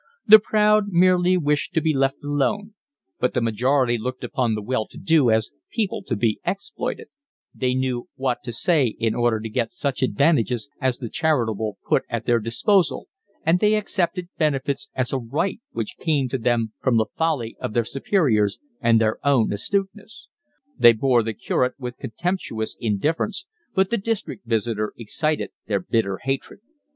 The proud merely wished to be left alone, but the majority looked upon the well to do as people to be exploited; they knew what to say in order to get such advantages as the charitable put at their disposal, and they accepted benefits as a right which came to them from the folly of their superiors and their own astuteness. They bore the curate with contemptuous indifference, but the district visitor excited their bitter hatred.